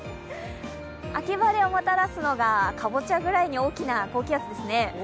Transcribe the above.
秋晴れをもたらすのがかぼちゃぐらいに大きな高気圧です。